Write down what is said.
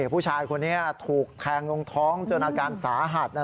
ผู้ชายคนนี้ถูกแทงลงท้องจนอาการสาหัส